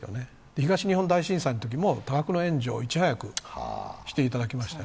東日本大震災のときも多額の援助をいち早くしていただきました。